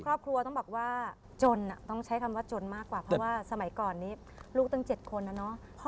ครอบครัวต้องบอกว่าจนต้องใช้คำว่าจนมากกว่าเพราะว่าสมัยก่อนนี้ลูกตั้ง๗คนนะเนาะ